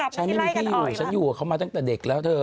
ฉันไม่มีที่อยู่ฉันอยู่กับเขามาตั้งแต่เด็กแล้วเธอ